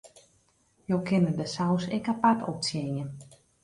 Jo kinne de saus ek apart optsjinje.